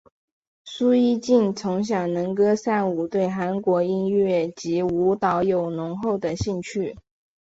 苏一晋从小能歌善舞对韩国音乐及舞蹈有浓厚的兴趣。